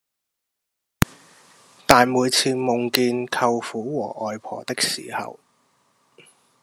但每次夢見舅父和外婆的時候